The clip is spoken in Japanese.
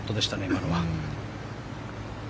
今のは。